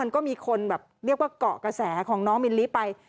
ก็มีคนแบบเรียกว่าเกาะกระแสของน้องมิลลิไป